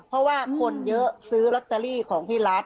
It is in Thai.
เพราะว่าคนเยอะซื้อลอตเตอรี่ของที่ร้าน